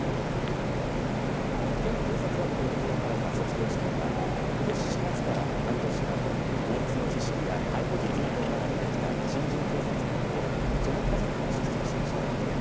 県警察学校で開かれた卒業式にはことし４月から半年間法律の知識や逮捕術などを学んできた新人警察官とその家族が出席しました。